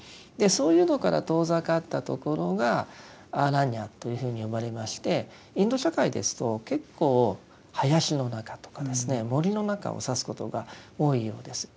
そういうのから遠ざかったところがアーラニヤというふうに呼ばれましてインド社会ですと結構林の中とかですね森の中を指すことが多いようです。